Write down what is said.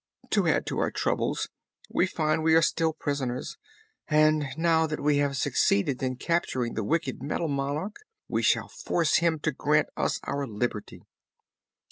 To add to our troubles we find we are still prisoners; but now that we have succeeded in capturing the wicked Metal Monarch we shall force him to grant us our liberty."